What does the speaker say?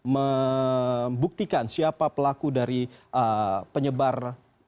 membuktikan siapa pelaku dari penyebar